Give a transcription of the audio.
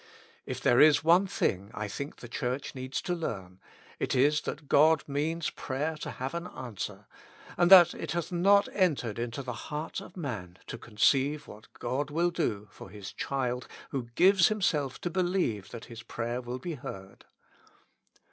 If there is one thing I think the Church needs to learn, it is that God means prayer to have an answer, and that it hath not entered into the heart of man to conceive what God will do for His child who gives himself to believe that his prayer will be heard.